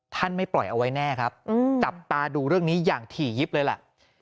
ไม่ปล่อยเอาไว้แน่ครับจับตาดูเรื่องนี้อย่างถี่ยิบเลยแหละ